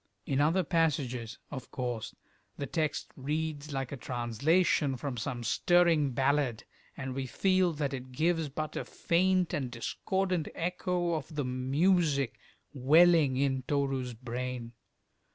In other passages, of course, the text reads like a translation from some stirring ballad, and we feel that it gives but a faint and discordant echo of the music welling in Toru's brain.